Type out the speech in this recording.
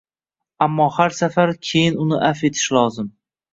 Ammo har safar keyin uni afv etish lozim.